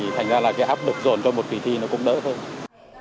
thành ra là áp lực dồn cho một kỳ thi cũng đỡ hơn